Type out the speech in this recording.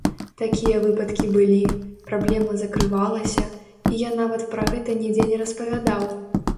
Такія выпадкі былі, праблема закрывалася, і я нават пра гэта нідзе не распавядаў.